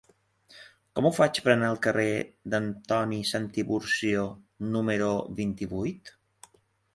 Com ho faig per anar al carrer d'Antoni Santiburcio número vint-i-vuit?